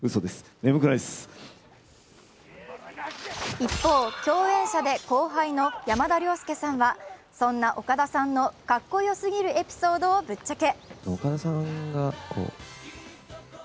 一方、共演者で後輩の山田涼介さんはそんな岡田さんのかっこよすぎるエピソードをぶっちゃけ。